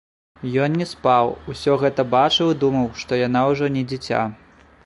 Ён не спаў, усё гэта бачыў і думаў, што яна ўжо не дзіця.